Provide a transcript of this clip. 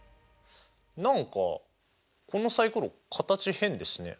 何かこのサイコロ形変ですね。